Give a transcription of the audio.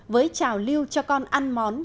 với trào lưu cho con ăn món